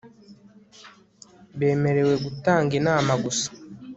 bemerewe gutanga inama gusa